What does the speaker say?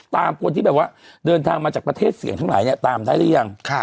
ตามคนที่แบบว่าเดินทางมาจากประเทศเสี่ยงทั้งหลายเนี่ยตามได้หรือยัง